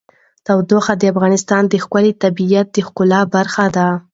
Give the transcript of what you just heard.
تودوخه د افغانستان د ښکلي طبیعت د ښکلا برخه ده.